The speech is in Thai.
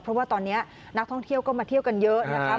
เพราะว่าตอนนี้นักท่องเที่ยวก็มาเที่ยวกันเยอะนะครับ